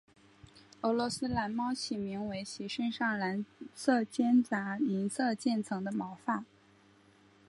俄罗斯蓝猫起名为其身上蓝色间杂银色渐层的毛发。